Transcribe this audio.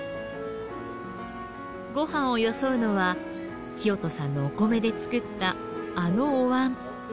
ご飯をよそうのは聖人さんのお米で作ったあのおわん。